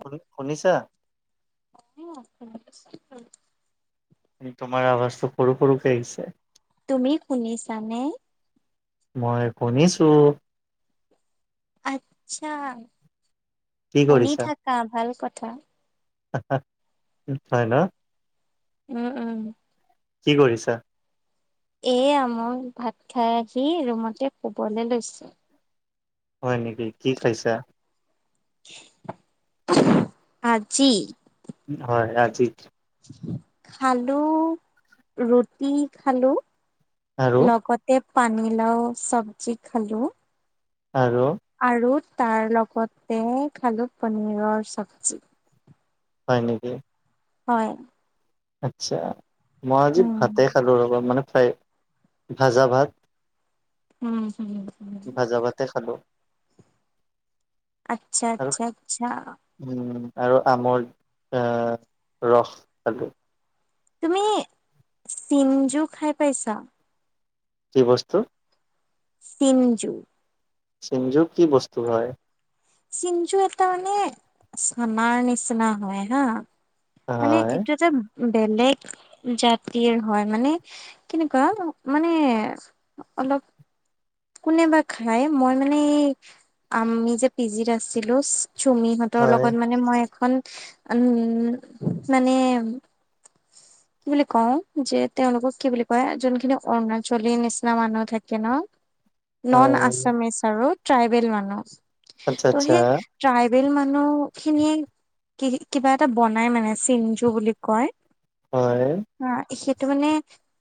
শুনি শুনিছা অ তোমাৰ আৱাজটো সৰু সৰুকে আহিছে। তুমি শুনিছানে? মই খুনিছো। আচ্ছা, কি শুনি থাকা ভাল কথা। হা, হা, [unintelligible] হয় ন। উম, উম। কি কৰিছা? এয়া মই ভাত খাই আহি ৰুমতে শুবলে লৈছো। হয় নেকি, কি খাইছা? আজি হয়, আজি। খালো, ৰুটি খালো, আৰু লগত এ, পানী লাও চবজি খালো। আৰু। আৰু তাৰ লগতে খালোঁ পনীৰৰ চব্জি। হয় নেকি? হয়। আচ্ছা, মই আজি উম, ভাতেই খালোঁ ৰ'বা, মানে ফ্ৰাই-ভাজা ভাত। উম, হুম, হুম। ভাজা ভাতেই খালো। আচ্ছা, আৰু আচ্ছা, আচ্ছা। উম, আৰু আমৰ এ, ৰস খালো। তুমি চিনঞ্জু খাই পাইছা? কি বস্তু? টীমঞ্জু। চিমঞ্জু কি বস্তু হয়? চিমঞ্জু এটা মানে চানাৰ নিচিনা হয় হা। মানে হয় এইটো এটা বেলেগ জাতিৰ হয়, মানে কেনেকুৱা মানে অলপ কোনে বা খাই, মই মানে এই আমি যে পি জিত আছিলো চুমি হ তৰ হয় লগত মানে মই এখন, উম, মানে [inaudible] কি বুলি কওঁ, যে, তেওঁলোকক কি বুলি কয়? যিখিনি অৰুণাচলীৰ নিচিনা মানুহ থাকে ন। নন হয় আছামিচ আৰু ট্ৰাইবেল মানুহ আচ্ছা তো, আচ্ছা সেই ট্ৰাইবেল মানুহ খিনিয়ে কি, কিবা এটা বনাই মানে, চিনঞ্জু বুলি কয়। হয়। অ', সেইটো মানে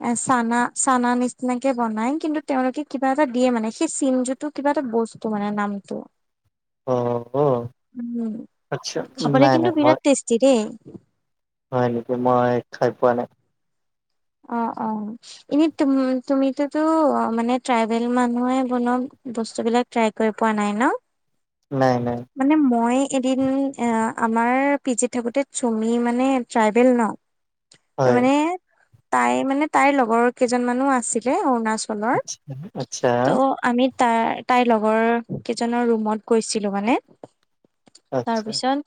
এ, চানা, চানা নিচিনাকে বনাই, কিন্তু তেওঁলোকে কি কিবা এটা দিয়ে মানে, সেই চিনঞ্জুটো কিবা এটা বস্তু মানে নামটো। অ অ উম, আচ্ছা। খাবলৈ নাই নাই কিন্তু মই বিৰাট টেষ্টি দেই। হয় নেকি, মই খাই পোৱা নাই। অ', অ'। ইনে তুমি, তুমিটোতো মানে ট্ৰাইবেল মানুহে বনোৱা বস্তুবিলাক ট্ৰাই কৰি পোৱা নাই ন? নাই, নাই। মানে মই এদিন আ, আমাৰ পিজিত থাকোতে চুমি মানে ট্ৰাইবেল ন। ত হয়। মানে তাই, মানে তাইৰ লগৰ কেইজনমানো আছিলে অৰুণাচলৰ, আচ্ছা আচ্ছা ত' আমি তাই তাইৰ লগৰ কেইজনৰ ৰুমত গৈছিলো মানে, আচ্ছা তাৰপিছত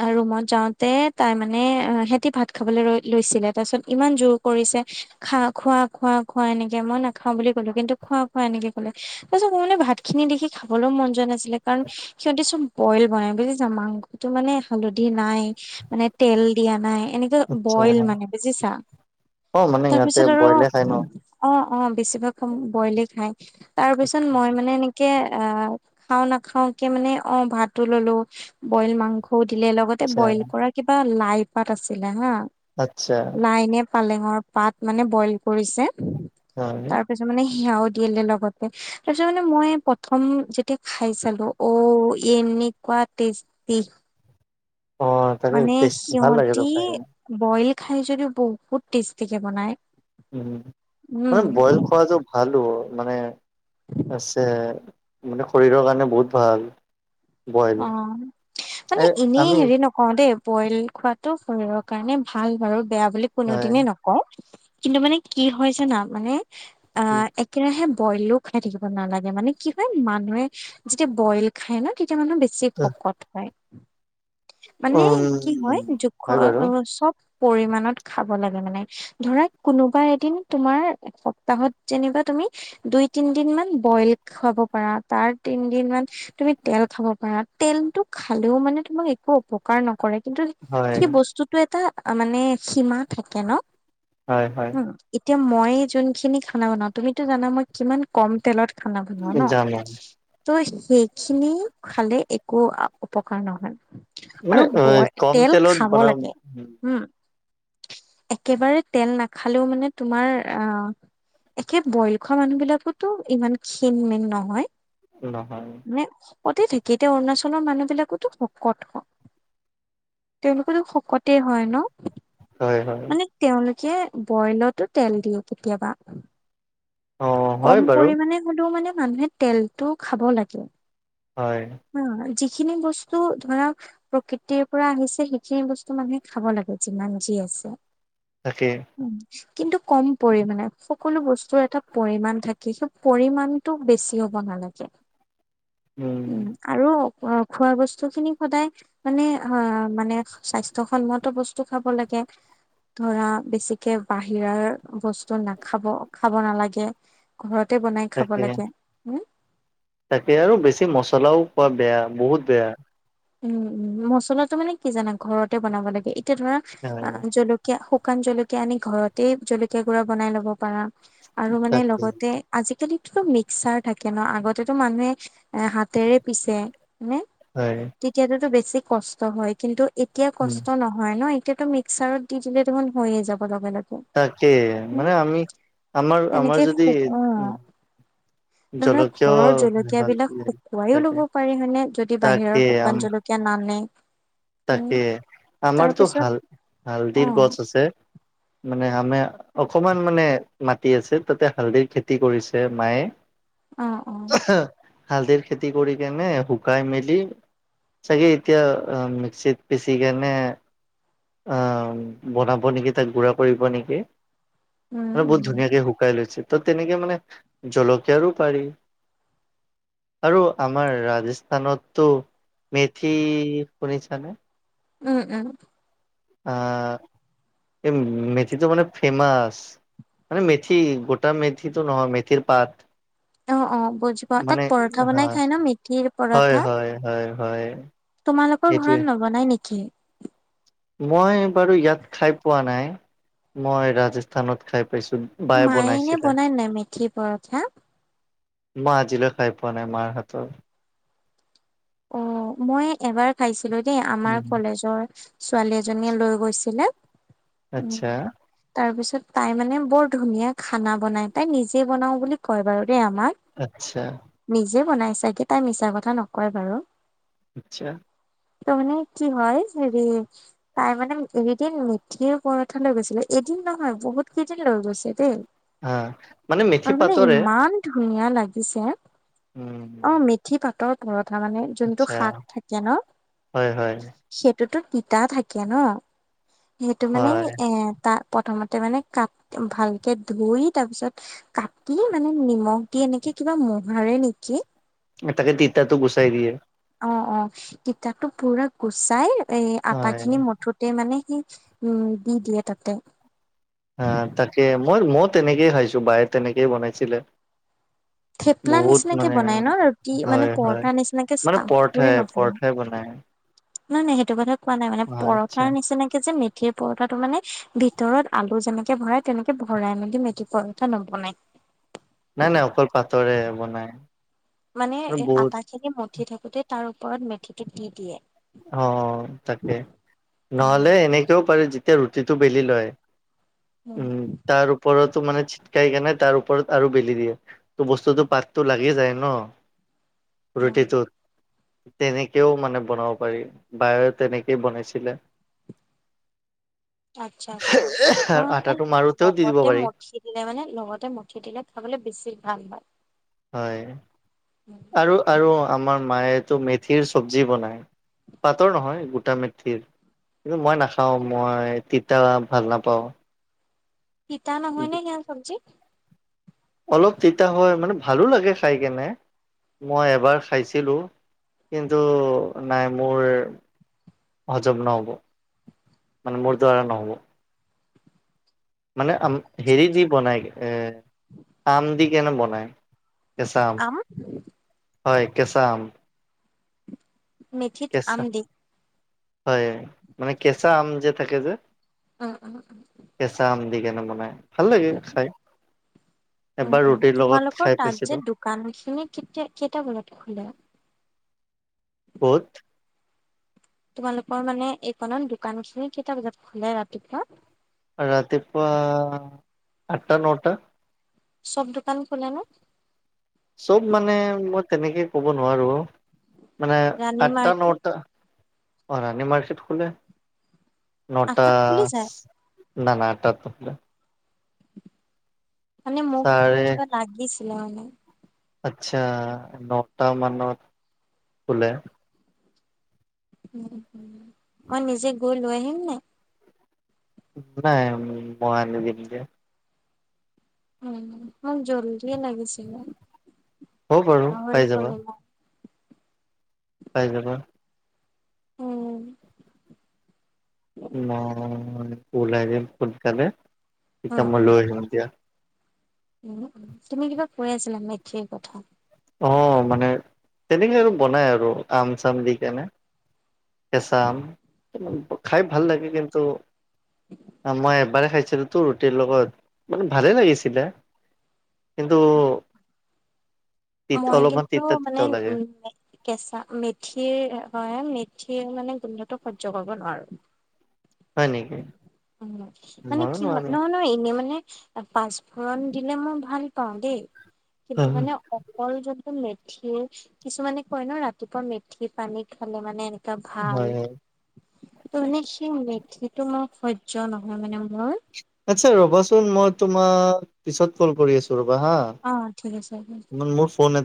অ', ৰুমত যাওঁতে তাই মানে সিহতি ভাত খাবলৈ লৈ লৈছিলে তাৰ পিছত ইমান জোৰ কৰিছে খা খোৱা খোৱা খোৱা এনেকে মই নাখাও বুলি ক'লো, কিন্তু খোৱা এনেকে ক'লে তাৰ পিছত ভাত খিনি দেখি খাবলৈও মন যোৱা নাছিলে, কাৰণ সিহঁতি চব বইল বনাই বুজিছা মাংসটো মানে হালধি নাই। মানে তেল দিয়া নাই এনেকে আচ্ছা বইল মানে বুজিছা? অ মানে ইহঁতে তাৰপিছত আৰু বইলে খাই ন। অ', অ', বেছিভাগ বইলে খাই তাৰ পিছত মই মানে এনে কে অ', খাও নাখাও কে মানে অ', ভাতো ল'লো। বইল মাংসও দিলে লগত তে আচ্ছা বইল কৰা কিবা লাই পাত আছিলে হা, আচ্ছা লাই নে পালেংঙৰ পাত মানে বইল কৰিছে হয় তাৰ পিছত মানে সেইয়াও দিলে লগতে। তাৰ পিছত মানে মই প্ৰথম যেতিয়া খাই চালো অ', এনেকুৱা টেষ্টি তি। অ তাকে মানে টেষ্টি ভাল লাগেতো সিহতি খাই কিনে। বইল খাই যদিও বহুত টেষ্টিকে বনায়। উম, মানে বইল খোৱা যো ভালো মানে আছে মানে শৰীৰৰ কাৰণে বহুত ভাল। বইল অ', মানে এই এনেই আমি হেৰি নক ও দেই বইল খোৱাটো শৰীৰৰ কাৰণে ভাল বাৰু বেয়া বুলি হয়। কোনোদিনে নকওঁ। কিন্তু মানে কি হয় জানা মানে অ', একেৰাহে বইলো খাই থাকিব নালাগে, মানে কি হয়, মানুহে যেতিয়া বইল খায় ন' তে তেতিয়া মানুহ বেছি শকত হয়, মানে উম কি হয় হয় বাৰু চব পৰি মানত খাব লাগে মানে। ধৰা কোনোবা এদিন তোমাৰ এসপ্তাহত যেনিবা তুমি দুই তিনদিন মান বইল খাব পাৰা তাৰ তিন দিন মান তুমি তেল খাব পাৰা তেলটো খালেও মানে তোমাক একো অপকাৰ নকৰে, কিন্তু হয় সেই বস্তু টো এটা মানে সীমা থাকে ন' হয় হয় উম। এতিয়া মই যোনখিনি খানা বনাও তুমিতো জানা মই কিমান ক'ম তেলত খানা বনোৱা ন' যাম ত' সেই খিনি খালে একো অপকাৰ নহয়। মানে আৰু অ ব কম তেল তেলত খাব লাগে বনাম। হম। একেবাৰে তেল নাখালেও মানে তোমাৰ আহ একে বইল খোৱা মানুহ বিলাকতো ইমান ক্ষীণ-মীন নহয়। নহয়। মানে শকতে থাকে এতিয়া অৰুণাচলৰ মানুহ বিলাকোতো শকত তেওঁলোকো তো শকতে হয় ন'? হয়, হয়। মানে তেওঁলোকে বইলতো তেল দিয়ে কেতিয়াবা। অ' হয় ক'ম বাৰু পৰিমানে হ'লেও মানে মানুহে তেলটো খাব লাগে। হয়। হ, যিখিনি বস্তু ধৰা প্ৰকৃতিৰ পৰা আহিছে সেইখিনি বস্তু মানুহে খাব লাগে যিমান যি আছে। তাকেই। উম, কিন্তু ক'ম পৰিমানে সকলো বস্তুৰ এটা পৰিমণ থাকে, সেই পৰিমমানতটো বেছি হ'ব নালাগে। উম, আৰু খোৱা বস্তুখিনি সদায় মানে হা মানে স্বাস্থ্যসন্মত বস্তু খাব লাগে। ধৰা বেছিকে বাহিৰা বস্তু নাখাব খাব নালাগে গে ঘৰতে বনাই খাব তাকে লাগে। তাকে আৰু বেছি মছলাও খোৱা বেয়া বহুত বেয়া। উম উম, মছলাটো মানে কি জানা ঘৰতে বনাব লাগে এতিয়া ধৰা হয় জল কীয়া শুকান জলকীয়া আনি ঘৰতেই জলকীয়া গুড়া বনাই ল'ব পাৰা আৰু মানে তাকে লগতে আজিকালিতো মিক্সাৰ থাকে ন আগতেটো মানুহে এ হাতেৰে পিছে নে। হয়। তেতিয়াটোটো বেছি কষ্ট হয় কিন্তু এতিয়া উম, কষ্ট নহ হয় ন এতিয়াটো মিক্সাৰত দি দিলে দেখোন হৈয়ে যাব লগে লগে। তাকে উম মানে আমি আমাৰ আমাৰ তেনেকে যদি ধৰক জলকীয় ঘৰৰ জলকীয়াবিলাক শুকুৱাইও তাকে লব পাৰি হয়নে যদি তাকে বাহিৰৰ আম শুকান জলকীয়া কীয়া নানে। উম তাকে তাৰ আমাৰটো পিছত হাল হালধীৰ অ গছ আছে মানে আমি অকমান মানে মাটি আছে তাতে হালধিৰ খেতি কৰিছে মায়ে। অ অ [unintelligible] হালধীৰ খেতি কৰি কেনে শুকাই মেলি চাগে চাগে এতিয়া আ চে বেচি কেনে বনাব নিকি তাক গুড়া কৰিব নিকি। উম আৰু উম বহুত ধুনীয়াকে শুকাই লৈছে ত' তেনেকে মানে জলকীয়াৰো পাৰি। আৰু আমাৰ ৰাজস্থানতটো মেথি শুনিছা ছা উম উম। আ এই মেথিটো মানে ফেমাচ। মানে মেথি গোটা মেথিটো নহয় মেথিৰ পাত। অ অ বুজি পাও তাত মানে পৰঠা বনাই হয় খাই ন মিঠিৰ হয় পৰঠা? হয় হয় হয়। তোমালোকৰ সেইটোৱে ঘৰত নবনাই নিকি? মই বাৰু ইয়াত খাই পোৱা নাই মই ৰাজস্থানত খাই পাইছো। বায়ে মায়ে ইনে বনাইছিলে বনাই নাই মেথি পৰঠা? মই আজিলৈ খাই পোৱা নাই মাৰ হাতৰ। অ, মই এবাৰ খাইছিলো দেই আমাৰ উম। কলেজৰ ছোৱালী এজনীয়ে লৈ গৈছিলে। আচ্ছা। তাৰপিছত তাই মানে বৰ ধুনীয়া খানা বনাই, তাই নিজে বনাওঁ বুলি কয় বাৰু দেই আমাক। আচ্ছা। নিজে বনাই চাগে তাই মিছা কথা নকয় বাৰু। আচ্ছা। ত' মানে কি হয় হেৰি তাই মানে এদিন মেঠিৰ পৰঠা লৈ গৈছিলে এদিন নহয় বহুত কেইদিন লৈ গৈছে দেই। হা মানে মেথি আৰু মানে পাতৰে ইমান ধুনীয়া লাগিছে! অ, উম। মেথি পাতৰ পৰঠা মানে। যোনটো আচ্ছা শাক থাকে ন। হয়, হয়, সেইটোটো তিতা থাকে ন সেইটো মানে হয় এ তাত, প্ৰথমতে মানে কাট ভালকে ধুই, তাৰপিছত কাটি, মানে নিমখ দি এনেকে কিবা মোহাৰে নেকি। তাকে তিতাতো গুচাই দিয়ে। অ', অ', তিতটো পুৰা গুচাই, এ হয় আটাখিনি মঠু তে মানে সেই, উম দি দিয়ে তাতে। আহ, তাকে মই মই তেনেকেই খাইছো, বায়ে তেনেকেই বনাইছিলে। থেপলা বহুত নিচিনাকে মানে, বনাই ন ৰুটি মানে হয় হয় পৰঠা নিচিনাকে মানে ষ্টাফ কৰি পৰঠাই, নবনাই। পৰঠাই বনাই। নাই, নাই সেইটো কথা কোৱা নাই, মানে হয় আচ্ছা পৰঠাৰ নিচিনাকে যে মেথি সেই পৰঠাটো মানে ভিতৰত আলু যেনেকে ভৰাই, তেনেকে ভৰাই মেলি মেথি পৰঠা নৱনাই। নাই নাই অকল পাতৰে বনাই। মানে, এ বহুত আটা খিনি মঠি থাকোতে তাৰ ওপৰত মেথিটো দি দিয়ে। অ', অ' তাকে উম নহ'লে, এনেকেও পাৰে যেতিয়া ৰুটিটো বেলি লয়। উম, তাৰ ওপৰতো মানে চিটকাই কেনে, তাৰ ওপৰত আৰু বেলি দিয়ে। ত' বস্তুটো পাততো লাগি যায় ন'। উম ৰুটিটোত, তেনেকৈও মানে বনাব পাৰি, বায়েও তেনেকেই বনাইছিলে। আচ্ছা, আচ্ছা, নহয় মানে আটাটো মাৰোতেও দি দিব লগতে পাৰি মথি দিলে মানে, লগতে মথি দিলে খাবলৈ বেছি ভাল হয়। হয়। উম। আৰু, আৰু আমাৰ মায়ে টো মেথিৰ চব্জি বনাই। পাটৰ নহয়, গোটা মেথিৰ। কিন্তু মই নাখাওঁ, মই তিতা ভাল নাপাওঁ। তিতা নহয়নে, সেইয়া চব্জি। অলপ তিতা হয়, মানে ভালো লাগে খাই কেনে। মই এবাৰ খাইছিলোঁ, কিন্তু নাই মোৰ হজম নহ'ব, মানে মোৰ দ্বাৰা নহ'ব। মানে আম, হেৰি দি বনাই, এ আম দি কেনে বনায়। কেঁচা আম, হয় কেঁচা আম। মেথিত আম কেঁচা দি। হয়, মানে কেঁচা আম যে থাকে যে। অ', অ', অ'। কেঁচা আম দি, কেনে বনাই। ভাল লাগে খাই, উম এবাৰ উম ৰুটিৰ লগত তোমালোকৰ খাই তাত যে পাইছিলোঁ। দোকান খিনি কেতিয়া, কেইটা বজাত খোলে। ক'ত? তোমালোকৰ মানে, এইকণত দোকান খিনি কেইটা বজাত খোলে ৰাতিপুৱা। ৰাতিপুৱা আঠা, নটা। চব দোকান খোলে নে? চব মানে, মই তেনেকে ক'ব নোৱাৰো অ', মানে ৰাণী আঠটা মাৰ্কেট নটা অ' ৰাণী মাৰ্কেট খোলে নটা আঠটাত খুলি যায়? না, না আঠটাত নোখোলে। মানে মোক চাৰে কিবা লাগিছিলে মানে। আচ্ছা নটা মানত খোলে। উম, উম। মই নিজে গৈ লৈ আহিম নে। নাই মই আনি দিম দিয়া। উ ম মোক জললিয়ে লাগিছিলে হ'ব বাৰু পাই পাহৰি যাবা গলো মই। পাই যাবা। উম। মই উলাই দিম সোনকালে তেতিয়া মই লৈ আহিম দিয়া। উ তুমি কিবা কৈ আছিলা মেঠীৰ কথা। অ'মানে তেনেকৈ আৰু বনায় আৰু আম চাম দি কেনে। কেঁচা আম খাই ভাল লাগে কিন্তু, মই এবাৰে খাইছিলো। টো ৰুটিৰ লগত মানে ভালেই লাগিছিলে কিন্তু তিতা মই অলপমান কিন্তু তিতা মানে তিতাও লাগে উম কেঁচা মেথিৰ হয় মেথিৰ মানে গোন্ধতো সহ্য কৰিব নোৱাৰো। হয় নেকি উম মানে মইয়ো কি হয় নোৱাৰো নহয় নহয় এনে মানে, পাঁচফোৰণ দিলে মই ভাল পাওঁ দেই কিন্তু হয় মানে অকল যদি মেথিৰ, কিছুমানে কয় ন' ৰাতিপুৱা মেথি পানী খালে মানে, টা ভাল হয় ত' এনে সেই মেথি, টো মোৰ সহ্য নহয় মানে মোৰ। আচ্ছা ৰ'বাচোন মই তোমাক, পিছত কল কৰি আছো ৰবা হা। অ', ঠিক আছে। মোৰ ফোন এটা